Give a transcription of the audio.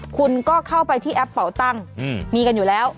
คุณก็เข้าไปที่แอปเป่าตังค์มีกันอยู่แล้ว